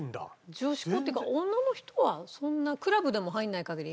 女子校っていうか女の人はそんなクラブでも入らない限り。